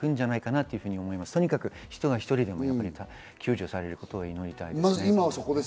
とにかく人が１人でも救助されることを祈りたいです。